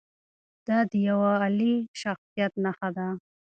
دا د یوه عالي شخصیت نښه ده.